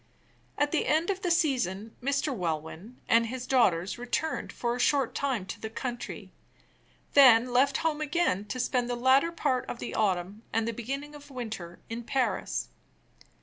At the end of the season Mr. Welwyn and his daughters returned for a short time to the country; then left home again to spend the latter part of the autumn and the beginning of the winter in Paris.